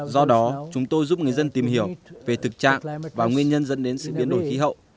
do đó chúng tôi giúp người dân tìm hiểu về thực trạng và nguyên nhân dẫn đến sự biến đổi khí hậu